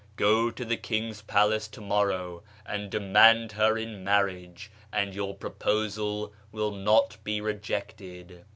Go to the king's palace to morrow, and demand her in marriage, and your proposal will not be rejected.'